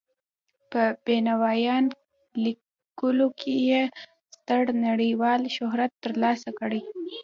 په بینوایان لیکلو یې ستر نړیوال شهرت تر لاسه کړی.